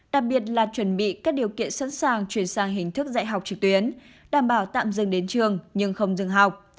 đặc biệt là chuẩn bị các điều kiện sẵn sàng chuyển sang hình thức dạy học trực tuyến đảm bảo tạm dừng đến trường nhưng không dừng học